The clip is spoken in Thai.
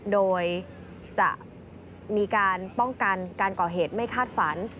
โดยจะมีการป้องกันการก่อเหตุไม่คาดฝัน